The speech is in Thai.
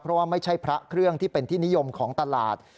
เพราะว่าไม่ใช่พระเครื่องที่เป็นที่นิยมของตลาด